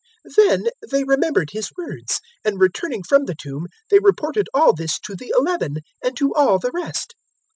024:008 Then they remembered His words, 024:009 and returning from the tomb they reported all this to the Eleven and to all the rest.